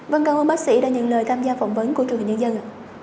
vâng cảm ơn bác sĩ đã nhận lời tham gia phỏng vấn của trường hợp nhân dân